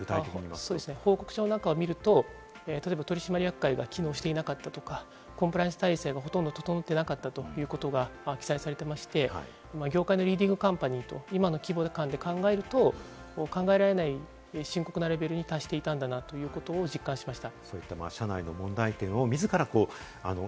報告書の中を見ると、例えば取締役会が機能していなかったとか、コンプライアンス体制が整っていなかったということが記載されていまして、業界のリーディングカンパニー、管理で考えると考えられない深刻なレベルに達していたんだなということを実感しました。